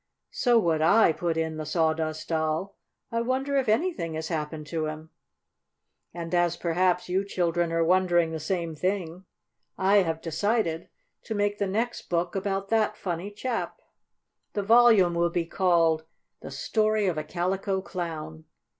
"So would I," put in the Sawdust Doll. "I wonder if anything has happened to him." And as perhaps you children are wondering the same thing, I have decided to make the next book about that funny chap. The volume will be called "The Story of a Calico Clown."